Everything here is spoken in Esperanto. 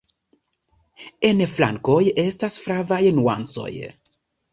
En flankoj estas flavaj nuancoj.